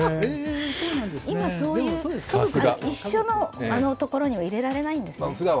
今そういう、一緒のところには入れられないんですね。